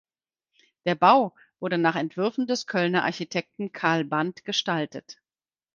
Der Bau wurde nach Entwürfen des Kölner Architekten Karl Band gestaltet.